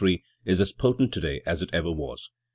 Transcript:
253) is as potent today as it ever was.